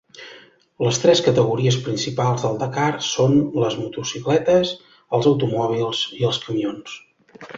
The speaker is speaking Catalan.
Les tres categories principals del Dakar són les motocicletes, els automòbils i els camions.